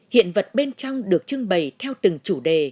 hiện vật bên trong được trưng bày theo từng chủ đề